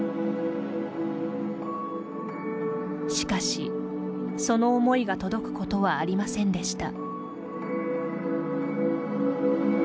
しかし、その思いが届くことはありませんでした。